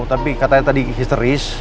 tapi katanya tadi histeris